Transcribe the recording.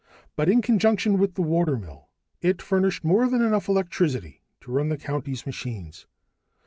But in conjunction with the watermill, it furnished more than enough electricity to run the county's machines.